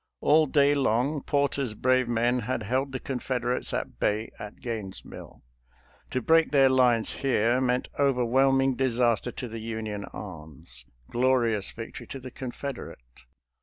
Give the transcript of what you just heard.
All day long, Porter's brave men had held the Confederates at bay at Gaines' Mill. To break their lines here meant over whelming disaster to the Union arms, glorious victory to the Confederate.